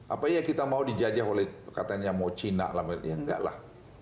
apa ya kita mau dijajah oleh katanya mau cina ya enggak lah